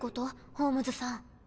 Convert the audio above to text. ホームズさん。